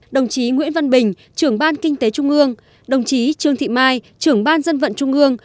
đồng chí nguyễn văn bình trưởng ban kinh tế trung ương đồng chí trương thị mai trưởng ban dân vận trung ương